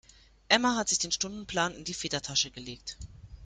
Emma hat sich den Stundenplan in die Federtasche gelegt.